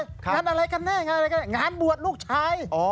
งานอะไรกันเนี่ยงานบวชลูกชาย